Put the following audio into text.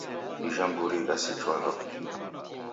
Ijha mburi idasichwa law'uke